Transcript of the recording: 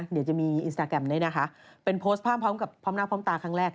เดี๋ยวจะมีอินสตาแกรมด้วยนะคะเป็นโพสต์ภาพพร้อมกับพร้อมหน้าพร้อมตาครั้งแรก